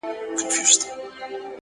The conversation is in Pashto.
اخلاق د انسان له شتمنۍ لوړ دي،